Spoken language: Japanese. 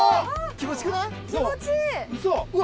気持ちいくない？